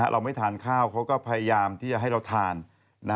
เราไม่ทานข้าวเขาก็พยายามที่จะให้เราทาน